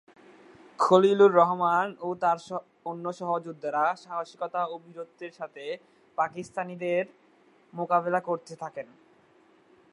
খলিলুর রহমান ও তার অন্য সহযোদ্ধারা সাহসিকতা ও বীরত্বের সঙ্গে পাকিস্তানিদের মোকাবিলা করতে থাকেন।